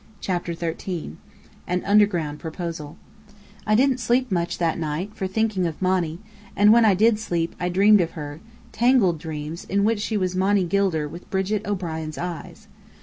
CHAPTER XIII AN UNDERGROUND PROPOSAL I didn't sleep much that night, for thinking of Monny; and when I did sleep, I dreamed of her; tangled dreams, in which she was Monny Gilder with Brigit O'Brien's eyes.